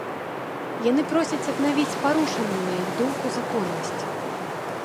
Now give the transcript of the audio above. Яны просяць аднавіць парушаную, на іх думку, законнасць.